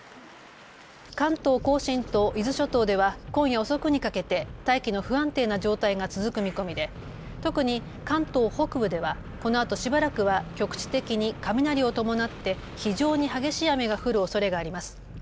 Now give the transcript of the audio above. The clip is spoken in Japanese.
関東甲信と伊豆諸島では今夜遅くにかけて大気の不安定な状態が続く見込みで、特に関東北部ではこのあとしばらくは局地的に雷を伴って非常に激しい雨が降るおそれがあります。